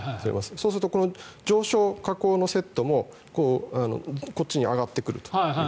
そうすると上昇、下降のセットもこっちに上がってくると。